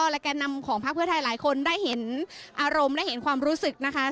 และแก่นำของพักเพื่อไทยหลายคนได้เห็นอารมณ์และเห็นความรู้สึกนะคะ